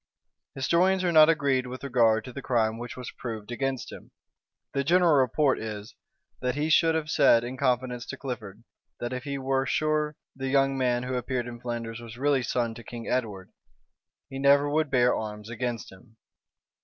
Historians are not agreed with regard to the crime which was proved against him. The general report is, that he should have said in confidence to Clifford, that if he were sure the young man who appeared in Flanders was really son to King Edward, he never would bear arms against him.